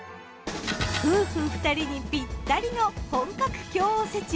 夫婦２人にぴったりの本格京おせち。